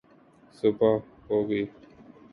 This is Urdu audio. صبح ہو گئی